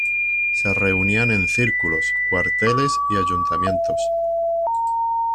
Se reunían en Círculos, cuarteles y ayuntamientos.